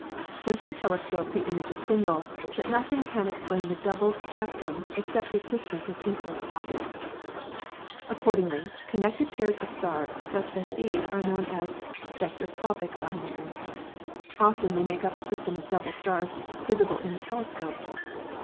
With the telescope the image is single, but nothing can explain the double spec trum except the existence of two separate bodies. Accord ingly, connected pairs of stars such as these are known as spectroscopic binaries. Often they make up a system of double stars visible in the telescope.